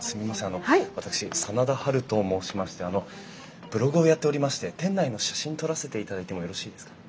あの私真田ハルと申しましてあのブログをやっておりまして店内の写真撮らせていただいてもよろしいですか？